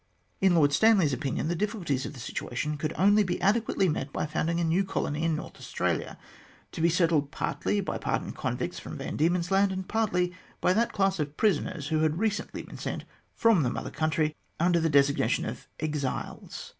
In Lord Stanley's opinion, the difficulties of the situation could only be ade quately met by founding a new colony in North Australia, to be settled partly by pardoned convicts from Van Diemen's Land, and partly by that class of prisoners who had recently been sent from the Mother Country under the designation of exiles.